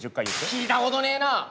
聞いたことねえな！